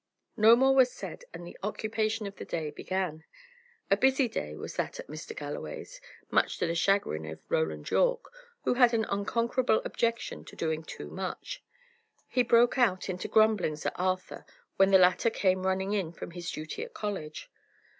No more was said, and the occupation of the day began. A busy day was that at Mr. Galloway's, much to the chagrin of Roland Yorke, who had an unconquerable objection to doing too much. He broke out into grumblings at Arthur, when the latter came running in from his duty at college.